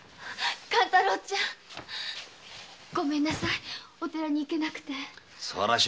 勘太郎ちゃんごめんなさいお寺に行けなくて。